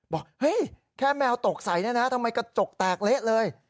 บอกเฮ้ยแค่แมวตกใส่เนี่ยนะทำไมกระจกแตกเละเลย